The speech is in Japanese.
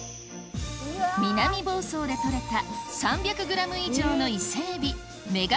南房総で取れた３００ｇ以上の伊勢海老メガ